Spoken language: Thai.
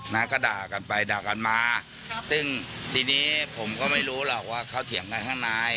นะก็ด่ากันไปด่ากันมาครับซึ่งทีนี้ผมก็ไม่รู้หรอกว่าเขาเถียงกันข้างใน